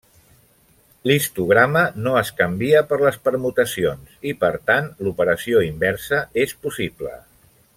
L'histograma no es canvia per les permutacions i per tant l'operació inversa és possible.